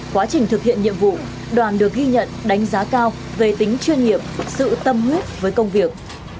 quá trình thực hiện nhiệm vụ đoàn được ghi nhận đánh giá cao về tính chuyên nghiệp sự tâm huyết với công việc